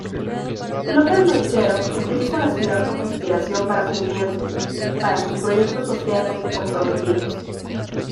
López-Menchero utiliza la ciudad como inspiración para sus lienzos para sus proyectos socialmente comprometidos.